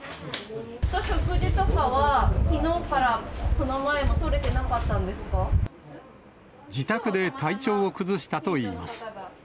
食事とかは、きのうから、自宅で体調を崩したといいます。